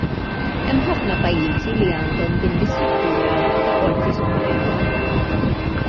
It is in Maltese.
Hemm ħafna pajjiżi li għandhom din l-istruttura ta' qorti suprema.